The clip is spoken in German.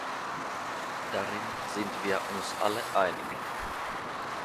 Darin sind wir uns alle einig.